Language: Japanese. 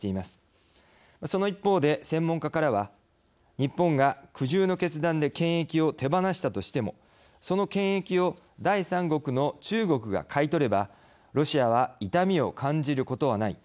その一方で専門家からは日本が苦渋の決断で権益を手放したとしてもその権益を第三国の中国が買い取ればロシアは痛みを感じることはない。